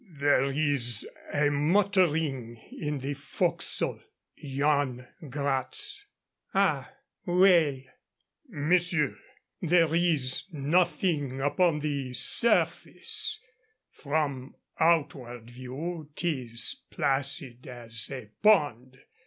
There is a muttering in the forecastle. Yan Gratz " "Ah! Well " "Monsieur, there is nothing upon the surface; from outward view 'tis placid as a pond.